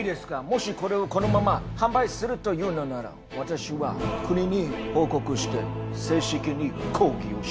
もしこれをこのまま販売するというのなら私は国に報告して正式に抗議をします！